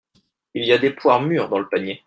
Il y a des poires mûres dans le panier.